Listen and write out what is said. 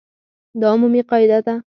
دا عمومي قاعده ده.